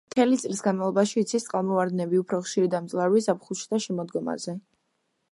მთელი წლის განმავლობაში იცის წყალმოვარდნები, უფრო ხშირი და მძლავრი ზაფხულში და შემოდგომაზე.